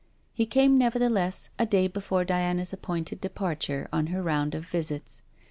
He came nevertheless a day before Diana's appointed departure on her round of visits.